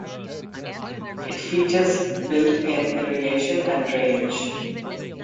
It features built in irrigation and drainage.